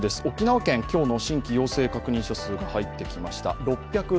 沖縄県、今日の新規陽性確認者数が入ってきました。